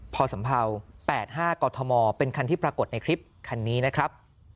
พอสัมเภา๘๕กธมเป็นคันที่ปรากฏในคลิปคันนี้นะครับ